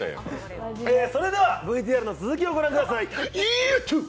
それではＶＴＲの続きをご覧ください、ぃやぁっとぅー！